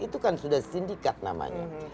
itu kan sudah sindikat namanya